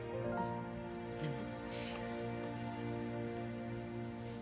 うん。